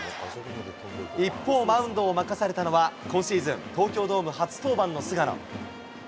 一方、マウンドを任されたのは、今シーズン、東京ドーム初登板の菅野。